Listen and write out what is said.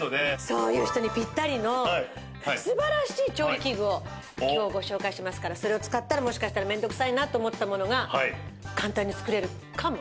そういう人にピッタリの素晴らしい調理器具を今日ご紹介しますからそれを使ったらもしかしたら面倒くさいなと思ってたものが簡単に作れるかも。